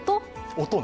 音？